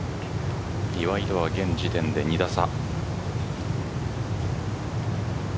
岩井とは現時点で２打差。